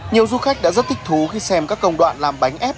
nhiều du khách đã rất thích thú khi xem các công đoạn làm bánh ép